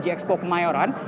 ini gxp kemayoran